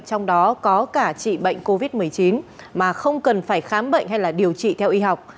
trong đó có cả trị bệnh covid một mươi chín mà không cần phải khám bệnh hay điều trị theo y học